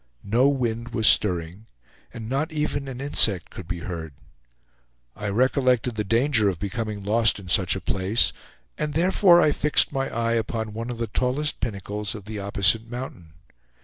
No wind was stirring, and not even an insect could be heard. I recollected the danger of becoming lost in such a place, and therefore I fixed my eye upon one of the tallest pinnacles of the opposite mountain.